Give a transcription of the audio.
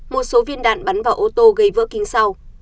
một số viên đạn bắn vào ô tô gây vỡ kính sau